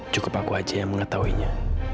cukup aku aja yang mengetahuinya